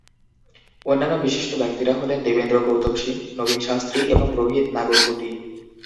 অন্যান্য বিশিষ্ট ব্যক্তিরা হলেন দেবেন্দ্র গৌতম সিং, নবীন শাস্ত্রী এবং রোহিত নাগরকোটি।